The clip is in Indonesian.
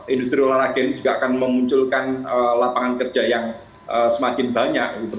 industri olahraga ini juga akan memunculkan lapangan kerja yang semakin banyak gitu